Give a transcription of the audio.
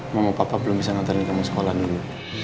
mama papa belum bisa nonton nikah mau sekolah dulu